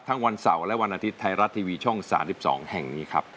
วันเสาร์และวันอาทิตย์ไทยรัฐทีวีช่อง๓๒แห่งนี้ครับ